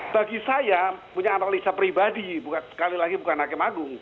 bagi saya punya analisa pribadi sekali lagi bukan hakim agung